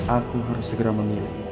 aku harus segera memilih